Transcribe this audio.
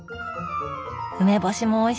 梅干しもおいしそう。